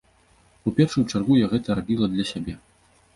У першаю чаргу, я гэта рабіла для сябе.